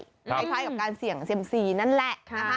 คล้ายกับการเสี่ยงเซียมซีนั่นแหละนะคะ